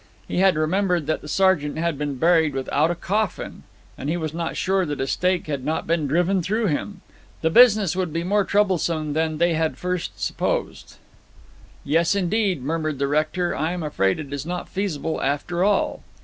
He had remembered that the sergeant had been buried without a coffin, and he was not sure that a stake had not been driven through him. The business would be more troublesome than they had at first supposed. 'Yes, indeed!' murmured the rector. 'I am afraid it is not feasible after all.'